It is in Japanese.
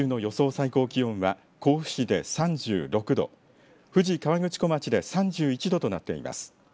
最高気温は甲府市で３６度富士河口湖町で３１度となっています。